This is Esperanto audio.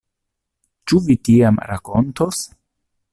Ĉu vi tiam rakontos?